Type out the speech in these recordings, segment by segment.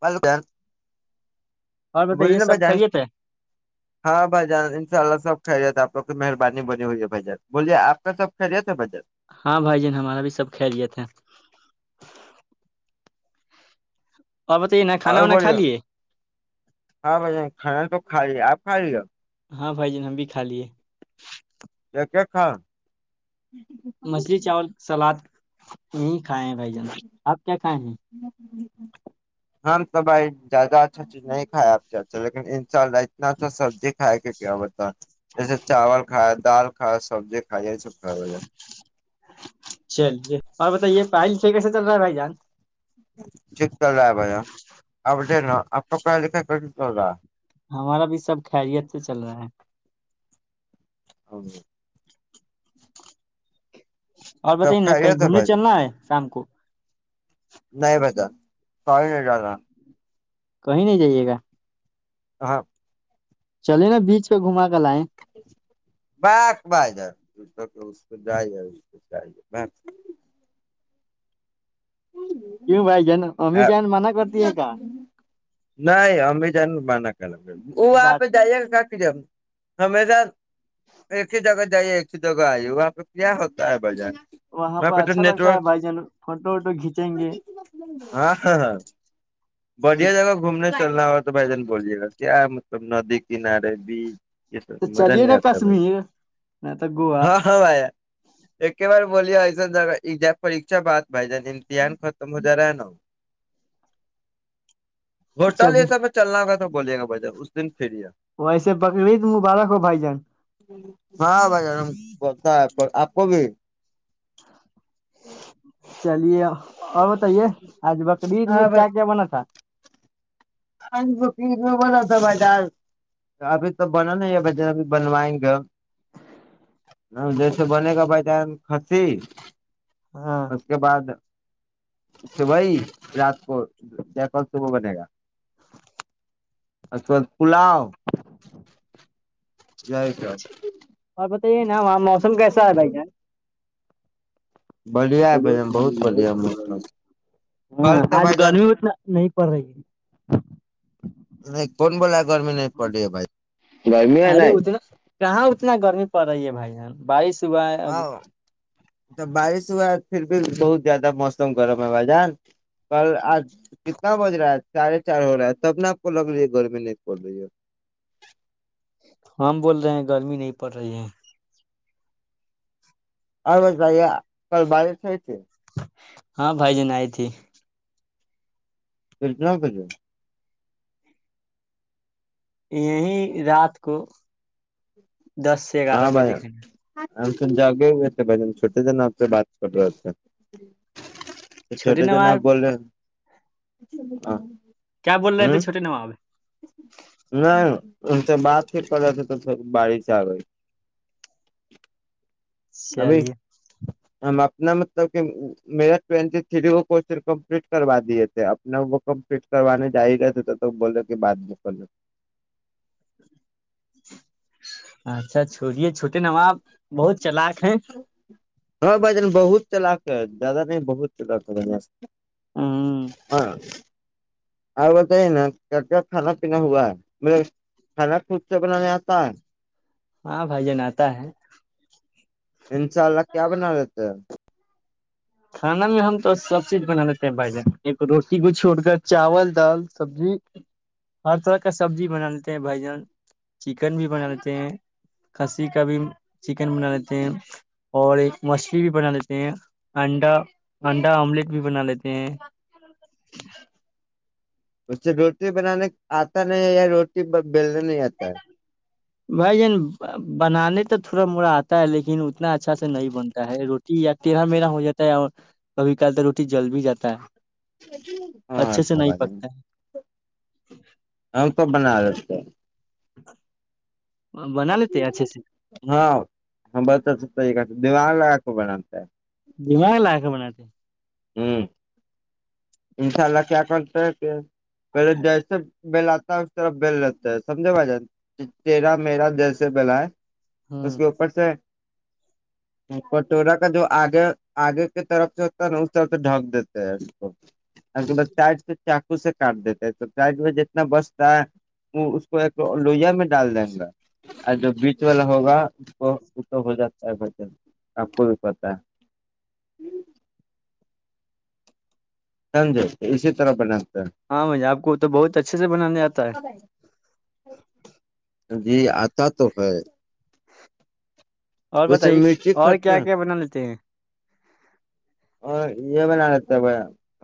[unintelligible] اور بوولے بتائیے نا بھائی سب جان خیریت ہے ہاں بھائی جان ان شاء اللہ سب کھہ جاتتا توکہ مہربانی بنی ہوئی ہے بھجر بولیے آپ کا سب خیریت ہے بھجر ہاں بھائی جان ہمارا بھی سب خیریت ہے ے کھانا رے وانا کھا بوولے لیے ہاں بھ ج کھان پ [unintelligible] کائیے آپ کھیے ہاں بھائی ج ہم بھی کھا لیے کیا کیا کا مچھلی چاول سلاد نہیں کھائے ہیں بھائی جان آپ کیا کھائے ہیں ہ تو بھائی زیادہ اچھا چیز نہیں کائے لیکن ان شاءلہ اتنا اچھا سبزی کھائے کیاتا جیسے چاولھائے دالا سب کھایا بھیا چلیے اور بتائیے پائل سے کسے چل رہا بھ جان یک چل رہا ہے بھیا آپ نا آپ کا پڑھا لکھا کر چل رہا ہے ہمارا بھی سب خیریت سے چل رہا ہے ہ [inaudible] [inaudible] اور سب بتائیے نا کہیں خیریت ہے گھومنے بھائی جان چلنا ہے سام کوو نہیں بیٹا س ہی نہیں جا رہا کہیں نہیں جائیے گا ہاں چلے نا بیچ پہ گھما کے بک بجار ج کہ اس پہ جائیے اس پ جے کیوں بھائی جان امی جان منع کرتی ہے کا نہیں ہممی جان مان کر وہ آپ جائیے گا ج ہمیشہ ایکے جگہ جے ایک ہی ج آئیے وہاں پہ کیا ہوتا ہے بجن وہاں پہ اچھا لگتا ہے بھائی جان فوٹو کھینچیں گے ہاں ہاں ہاں بڑھیا جگہ گھومنے چلنا ہو تو بھائی جان بولے گا کیا مطلب ندی کنارے بھی تو چلیے نا کشمیر میں تو گووا ہاں ہاں بھائی ایک بار بوے ایسا ج پریچا بات ب ج دھیان ختم ہو جا رہا ہے نا ہوٹال یہ چلیے سب میں چلنا ہوگا تو [unintelligible] ویسے بکرریعید مبارک ہو بھائی جان ہاں بھائی جان ہم [unintelligible] [unintelligible] [unintelligible] بتے آج بقرید میں ہاں بھائی کیا کیا بنا تھا بنا تھا ب ابھی تو بنا نہیں ہے بان اب بنوائیں گے جیسے بنے گا بجان کسی ہاں [unintelligible] صبح ہی رات کو ج کال صبح بنے گا اھا پلاؤ جائے کر اور بتائیے نا وہاں موسم کیسا ہے بھائی جار بڑھیا ہے بھائی جان بہت بڑھیا ہ کل تو آج بھائی جان گرمی اتنا نہیں پڑ رہی نہیں کون بولا گرمی نہیں پڑ رہی ہے بھائی گرمی ہے ارے نہیں اتنا کہاں اتنا گرمی پڑ رہی ہے بھائی جان بارش ہوا ہے ہ ابھی تو بارس ہو پھر بھی بہت زیادہ موسم گرم ہے ب جان کل آج کتنا بج رہا ہے ساھے چار ہو رہا ہے تب ن آپ کو لگ رہی ہے گرمی نہیں کھول رہی ہے ہم بول رہے ہیں گرمی نہیں پڑ رہی ہے ہر ب بھائی کل بارر تھائے تھ ہاں بھائی جنئی تھی کرھر جنا کر جوے یہی رات کو دس سے گیارہ ہاں بھائی بجے کھ نا ہم سن جاؤگے بھ چھوٹے سے ن سے بات کر رہے تھ چھوٹے تو نپ بول رہے ہ کیا بول رہے تھے چھوٹے ن وہاںاب ن ا تو بات ہی پ تھ تو تھ بڑی سے رہ چیالیا ہم اپنا مطلب کہ میرا ٹینٹی تھری وہ کوشن کمپلیٹ کروا دیے تھے اپنا وہ کمپلیٹ کروانے جا ہی رہے تھے تو تو بولو کہ بعد میں کر لو اچھا چھوڑیے چھوٹے نواب بہت چلاک ہیں ہاں بن بہت چلااکک زیادہ نہیں بہتچ ل ہاں آپ بتائیے نا کیا کیا کھانا پینا ہوا ہے مطے کھانا خود سے بنانے آتا ہے ہاں بھائی جان آتا ہے انشاء اللہ کیا بنا لیتے ہیں کھانا میں ہم تو سب چیز بنا لیتے ہیں بھائی جان ایک روٹی کو چھوڑ کر چاول دال سبزی ہر طرح کا سبزی بنا لیتے ہیں بھائی جان چکن بھی بنا لیتے ہیں کسی کا بھی چکن بنا لیتے ہیں اور ایک مچھلی بھی بنا لیتے ہیں انڈا انڈا آملیٹ بھی بنا لیتے ہیں اس سے روٹی بنانے آتا نہیں ہے یا روٹی بیلنے نہیں آتا ہے بھائی جان بنانے تو تھوڑا موڑا آتا ہے لیکن اتنا اچھا سے نہیں بنتا ہے روٹی یا تیرہ مہینہ ہو جاتا ہے کبھی کل تو روٹی جل بھی جاتا ہے اچھے ہچ سے ب نہیں پکتا ہے ہم کو بنا بنا لیتے ہیں اچھے سے ہاں ہ بست یہ دوان ل کو بڑامتا ہے دماغ لا کے بنااتتے ہوں انشاء اللہ کیا کرتے ہے کہ پہلے جیسے بیلاتتا ہے اس طرف بل لیتا ہے سمجھے بھ جان تیرا میرا جیسے بل ہے ہیں اس ہ کے اوپر سے کٹورا کا جو آگے آگے کی طرف سے ہوتا ہے نا اس طرف سے ڈھک دیتے ہیں ا کے ب چ چ اس سے کاٹ دیتے ہے تو شاید وہ جتنا بچتا ہے وہ اس کو ایک لوہیا میں ڈال دیں گا اور جو بیچ والا ہوگا اس کو ا تو ہو جاتا ہے ب آپ کو بھی پتا ہے سمجے اسی طرح ب ہاں بھائی آپ کو تو بہت اچھے سے بنانے آتا ہے جی آتا تو ہے اور ویسے بتائیے مرچی اور کھاتے کیا ہیں کیا بنا لیتے ہیں اور یہ بنا لیتا ہے ب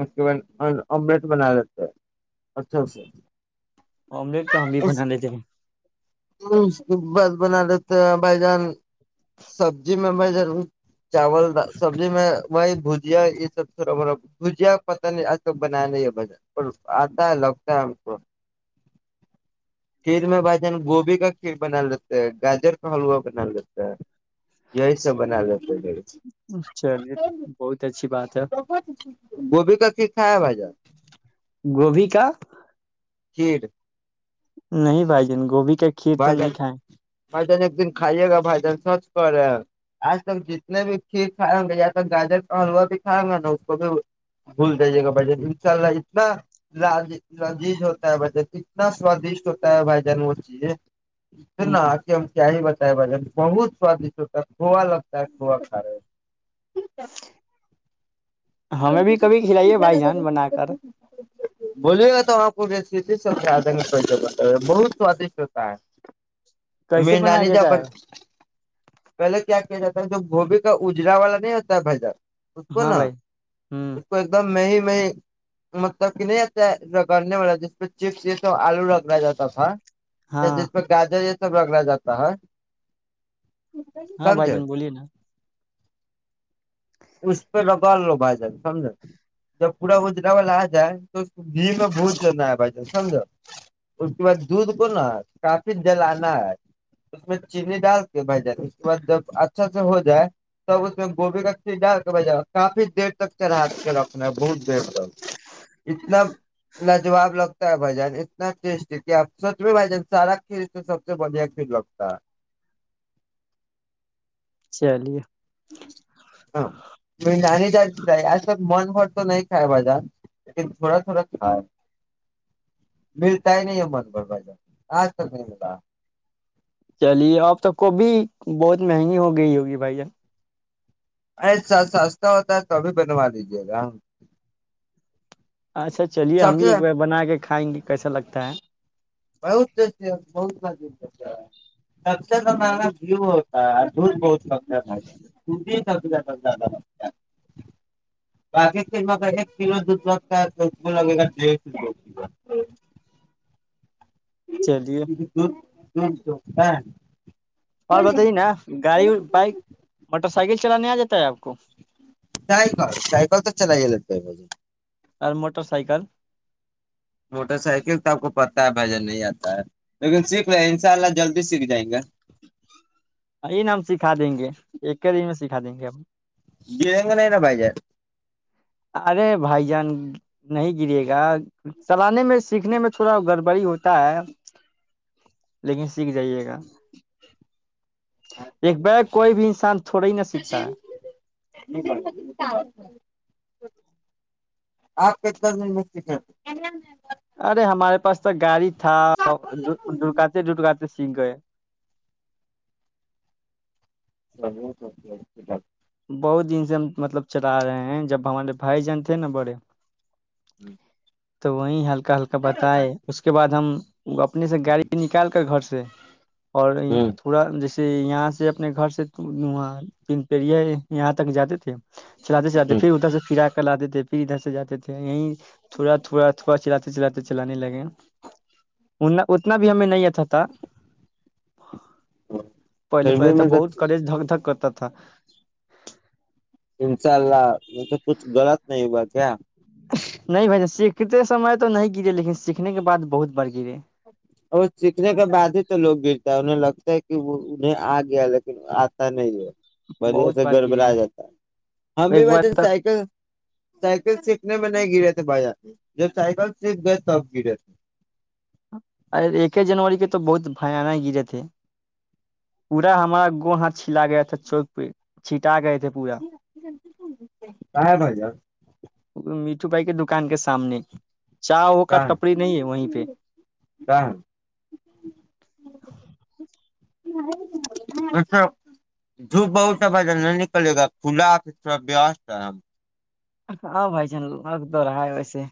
اس کے بعد املیٹ بنا لیتا ہے اچھا اچھاچ آملیٹ تو ہم بھی بنا لیتے ہیں بس بنا لیتے ہیں بھائی جان سبزی میں بھائی جان چاول سبزی میں بائی بھجیا یہ سب تھوڑا بڑا بجیا پت نہیں آج تک بنا نہیں ہے ب آتا ہے لگتا ہے ہم کو کھیر میں بھ جان گوبھی کا کھیر بنا لیتے ہے گاجر کا حلوا بنا لیتا ہے یہی سب بنا چلیے بہت اچھی بات ہے گوبھی ا کھا ہے بھ جا گوب کاا کھیھر نہیں بھائی جن گوبھی کا کھیر تو بھائی نہیں جان کھائے بھائی جان ایک دن کھائیے گا بھائی جان سب کرے آج تک جتنے بھی کھیر کھائیں گے یا ت گاجر کا حلوا بھی کھائیں گا نا اس کو بھی بھول دیجیے گا بھائی ج ان شاء اللہ اتنا لال لذیذ ہوتا ہے بھائی ج اتنا سوادشٹ ہوتا ہے بھائی جان وہ چیزیں نا ہ آ ہم کیا ہی بتائے بے بت سادش ہوتا ہے گوا لگتا ہے گو کاے ہمیں بھی کبھی کھلائیے بھائی جان بنا کر بولے گا تو آپے سدگ سو ب بہت سوادٹ [unintelligible] کیسے میری بنایا نانی ج جاتا پر ہے پہلے کیا کیا جاتا ہے تو گوبھی کا اجرا والا نہیں ہوتا ہے بھجا اس کو ہاں نا بھائی ہوں اس کو ایک دم میں ہی مطلب کہ نہیں آتا رگڑنے والا جس پہ چپس یہ سب آلو رگڑا جاتا تھا ہاں جس پ گاجر سب لگلا جاتا ہے ہاں بائی سمجھے جن بولیے نا ڈال لو بھائی جان سمجھو جب پورا اجرا والا آ جائے تو گھی میں بھج لینا ہے بھائی جان سمجھو اس کے بعد دودھ کو نا کافی جلانا ہے اس میں چینی ڈال پائے جات اس کے بع جب اچھا سے ہو جائے تب اس میں گوبھی کا ڈ بجہ کافی دیر تک چڑھا کے ر اپنا بہت دیرک اتنا لاجاب لگتا س بھ جان اتنا ٹیسٹی ہے کہ آپ سچو بھ جان سارا کھیل سے سب سے بڑھیا کھیل لگتا ہے چلیے ہاں م ج آج تک من بھر تو نہیں کائے بازا ل تھوڑا تھوڑا کھائے ملتا ہی نہیں ہے من بھر بازا آج تک نہیں ملا چلیے اب تک کو بھیھی بہت مہنگی ہو گئی ہوگی بھائی جان اسا سستا ہوتا ہے توبھی بنوا لیجے گا اچھا چلیے ہم سب بھی سے ایک بار بنا کے کھائیں گے کیسا لگتا ہے بت بت مز سب سے تو ما جیو ہوتا دور بہت س س م بقی م ایک کل د وگتا لگے گا ج ہ [inaudible] چلیے ج ج تو ہاں اور بتائیے نا گاڑی بائک موٹر سائیکل چلانے آ جاتا ہے آپ کو سائیکل سائیکل تو چلائیے لیتے ہیں بھائی جان، اور مٹر سائکل موٹر سائیکل تو آپ کو پ بھجن نہیں آتا ہے لیکن سیکھ رہے ان شاء اللہ جلدی سیکھ جائیں گا ا نا ہم سکھا دیں گے ایک ہی دن میں سکھا دیں گے ہم گ گا نہیں نا پائ جے ارے بھائی جان نہیں گرے گا چلانے میں سیکھنے میں تھوڑا گڑبڑی ہوتا ہے لیکن سیکھ جائیے گا ایک ب جان کوئی بھی انسان تھوڑا ہی نہ سیکھتا ہے آپ [unintelligible] ارے ہمارے پاس تو گاڑی تھا ڈکاتے ڈٹکاتے۔ [unintelligible] [unintelligible] بہت دن سے ہم مطلب چلا رہے ہیں جب ہمارے بھائی جان تھے نا بڑے۔ [inaudible] [unintelligible] کا ہلکا بتائے اس کے بعد ہم۔ وہ اپنے سے گاڑی نکال کر گھر سے۔ اور تھوڑا جیسے۔ یہاں سے اپنے گھر س تپڑیا ہے یہاں تک جاتے تھے۔ چلاتے چلاتے پھر ادھر سے پھرا۔ کل آتے تھے پھر ادھر سے جاتے تھے یہیں۔ [unintelligible] چلاتے چلانے لگے اتنا بھی ہمیں نہیں تھا۔ پہلے پھر بھی پہلے تو مطلب بہت کالیج دکدک کرتا تھا۔ [unintelligible] انشاء اللہ مے کچھ غلط نہیں ہوا کیا۔ نہیں بھائی سیکھتے سمے تو نہیں گرے لیکن سیکھنے کے بعد بہت بار گرے۔ [inaudible] اور سیکھنے کے بعد ہی تو لوگ گرتا ہے انہیں لگتا ہے کہ وہ انہیں آ گیا لیکن آتا نہیں بہت ہے۔ بار گھر گرے ہیں۔ بنایا جاتا ہے ہم بھی ایک بار ب تو سائیکل سائیکل سیکھنے میں نہیں گرے تھے بھائی جان۔ جب سائیکل سے گئے تب گرے تھے۔ ایک ہی جنوری کے تو بہت بانک گرے تھے پورا ہمارا گ ہات چھلا گیا تھا چوک پہ چھٹا گئے تھے پورا۔ [unintelligible] میٹھو بھائی کے دکان کے سامنے۔ چا ہو کا ٹپڑی نہیں ہے وہیں پہ۔ کہاں دھوپ بہت ہے بھائی جان نہیں نکلے گا کھلا۔ [inaudible] ہاں بھائی جان لگ تو رہ ہے ویسے۔